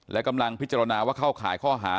และกำลังพิจารณาว่าเข้าข่ายข้อหา